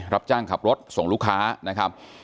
รับจ้างขับรถส่งลูกค้านะครับ